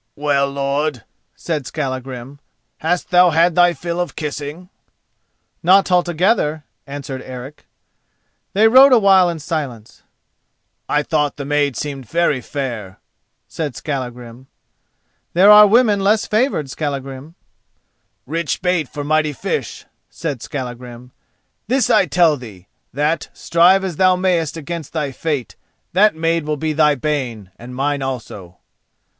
"Well, lord," said Skallagrim, "hast thou had thy fill of kissing?" "Not altogether," answered Eric. They rode a while in silence. "I thought the maid seemed very fair!" said Skallagrim. "There are women less favoured, Skallagrim." "Rich bait for mighty fish!" said Skallagrim. "This I tell thee: that, strive as thou mayest against thy fate, that maid will be thy bane and mine also."